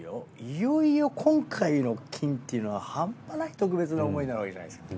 いよいよ今回の金っていうのはハンパない特別な思いなわけじゃないですか。